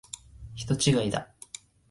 人違いだ。